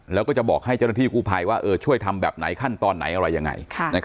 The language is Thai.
แล้วก็จะบอกให้เจ้าหน้าที่กู้ภัยว่าช่วยทำแบบไหนขั้นตอนไหนอะไรยังไง